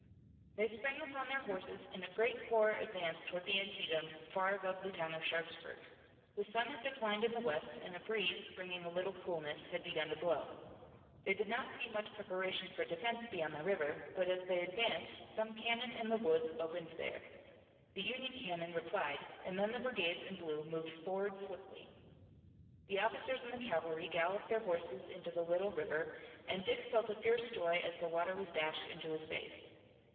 They sprang upon their horses, and a great corps advanced toward the Antietam, far above the town of Sharpsburg. The sun had declined in the West, and a breeze, bringing a little coolness, had begun to blow. They did not see much preparation for defense beyond the river, but as they advanced some cannon in the woods opened there. The Union cannon replied, and then the brigades in blue moved forward swiftly. The officers and the cavalry galloped their horses into the little river and Dick felt a fierce joy as the water was dashed into his face.